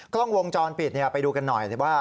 กล้องวงจรปิดไปดูกันหน่อยว่า